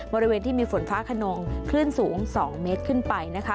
บริเวณที่มีฝนฟ้าขนองคลื่นสูง๒เมตรขึ้นไปนะคะ